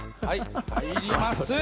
入ります。